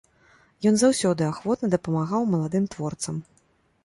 Ён заўсёды ахвотна дапамагаў маладым творцам.